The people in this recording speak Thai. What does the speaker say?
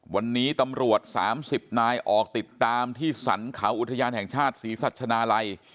วันนี้ตำรวจ๓๐นายออกติดตามที่สรรเขาอุทยานแห่งชาติศรีสัชนาลัย